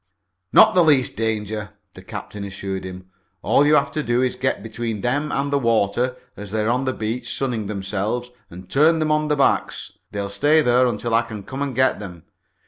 "Not the least danger," the captain assured him. "All you have to do is to get between them and the water as they're on the beach sunning themselves and turn them on their backs. They'll stay there until I can come and get them.